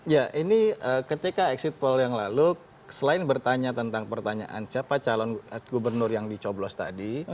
ya ini ketika exit poll yang lalu selain bertanya tentang pertanyaan siapa calon gubernur yang dicoblos tadi